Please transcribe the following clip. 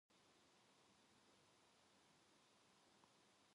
기차 놓치겠구먼.